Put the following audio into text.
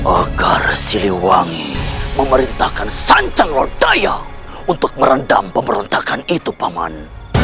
agar siliwangi memerintahkan sanctum lord daya untuk merendam pemberontakan itu paman